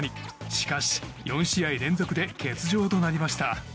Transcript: しかし４試合連続で欠場となりました。